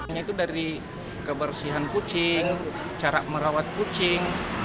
nya itu dari kebersihan kucing cara merawat kucing